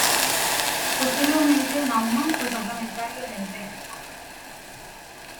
Posteriormente, Naumann fue parlamentario en el "Reichstag".